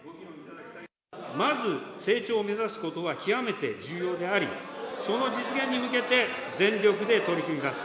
まず成長を目指すことは極めて重要であり、その実現に向けて、全力で取り組みます。